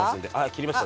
切りました？